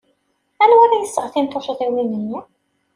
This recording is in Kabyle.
Anwa ara iseɣtin tuccḍiwin-nni?